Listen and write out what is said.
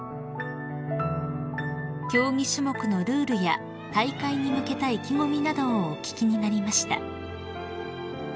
［競技種目のルールや大会に向けた意気込みなどをお聞きになりました］